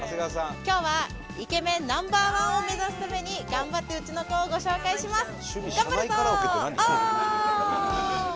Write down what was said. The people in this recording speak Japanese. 今日はイケメンＮｏ．１を目指すために頑張ってウチの子をご紹介します